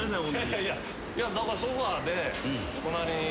いやだからソファで隣に。